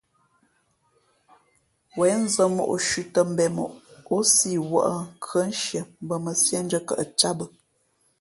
Wěn nzᾱ mǒ shʉ̄ tᾱ mbēn moʼ, ǒ si wᾱʼ khʉάnshie mbα mα sīēndʉ̄ᾱ kαʼ cāt bᾱ.